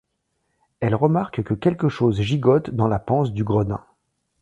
Elle remarque que quelque chose gigote dans la panse du gredin.